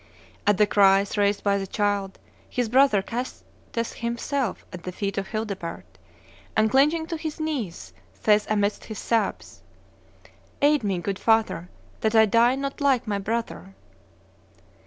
At the cries raised by the child, his brother casteth himself at the feet of Childebert, and clinging to his knees, saith amidst his sobs, 'Aid me, good father, that I die not like my brother.